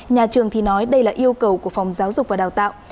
nhà trường thì nói đây là yêu cầu của phòng giáo dục và đào tạo